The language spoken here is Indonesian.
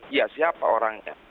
iya siapa orangnya